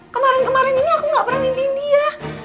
kemarin kemarin ini aku gak pernah mimpiin dia